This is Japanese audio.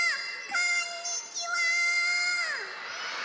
こんにちは！